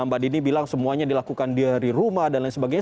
mbak dini bilang semuanya dilakukan dari rumah dan lain sebagainya